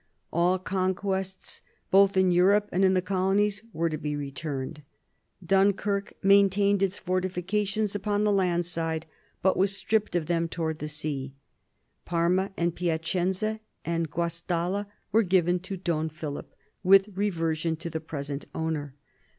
All conquests both in Europe and in the Colonies were to be returned. Dun kirk maintained its fortifications upon the land side, but was stripped of them towards the sea. Parma, Piacenza, and Guastalla were given to Don Philip, with reversion to the present owner.